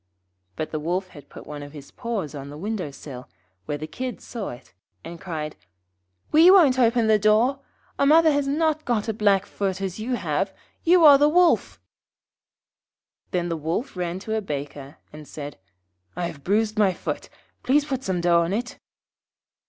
But the Wolf had put one of his paws on the window sill, where the Kids saw it, and cried 'We won't open the door. Our mother has not got a black foot as you have; you are the Wolf.' Then the Wolf ran to a Baker, and said, 'I have bruised my foot; please put some dough on it.'